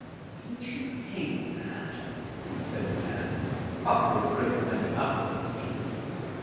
'Didn't you hate that?' said Dan after a great many other questions.